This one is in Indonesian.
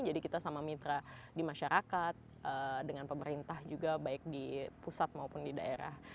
jadi kita sama mitra di masyarakat dengan pemerintah juga baik di pusat maupun di daerah